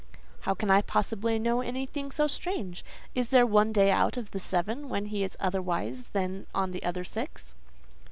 "How can I possibly know anything so strange? Is there one day out of the seven when he is otherwise than on the other six?"